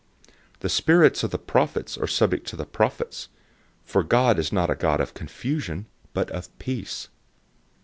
014:032 The spirits of the prophets are subject to the prophets, 014:033 for God is not a God of confusion, but of peace.